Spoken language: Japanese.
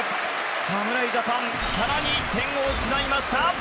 侍ジャパン更に１点を失いました。